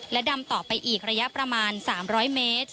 ดำต่อไปอีกระยะประมาณ๓๐๐เมตร